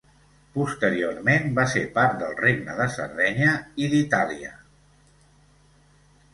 Posteriorment va ser part del Regne de Sardenya i d'Itàlia.